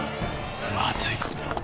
まずい！